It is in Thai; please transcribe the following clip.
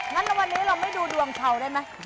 งั้นวันนี้เราไม่ดูดวงชาวได้ไหม